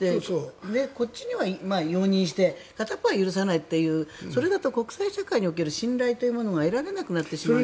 こっちには容認して片方は許さないというそれだと国際社会における信頼というものが得られなくなってしまう。